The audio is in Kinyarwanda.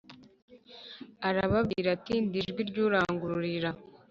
arababwira ati ndi ijwi ry urangururira